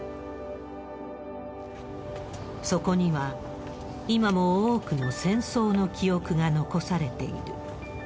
そこには、今も多くの戦争の記憶が残されている。